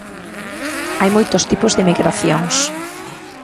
Hai moitos tipos de migracións.